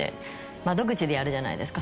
窓口でやるじゃないですか。